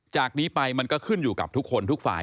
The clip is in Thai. จากนี้ไปมันก็ขึ้นอยู่กับทุกคนทุกฝ่าย